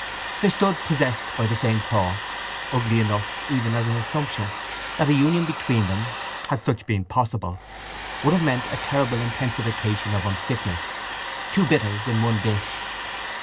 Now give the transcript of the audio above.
They stood possessed by the same thought, ugly enough, even as an assumption: that a union between them, had such been possible, would have meant a terrible intensification of unfitness—two bitters in one dish.